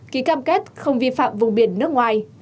ký cam kết không vi phạm vùng biển nước ngoài